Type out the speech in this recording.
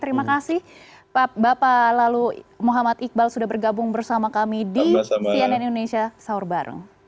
terima kasih bapak lalu muhammad iqbal sudah bergabung bersama kami di cnn indonesia sahur bareng